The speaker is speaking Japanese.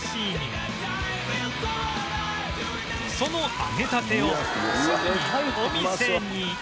その揚げたてをすぐにお店に